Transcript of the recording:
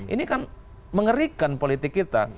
ini kan mengerikan politik kita